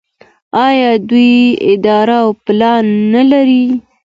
آیا دوی اراده او پلان نلري؟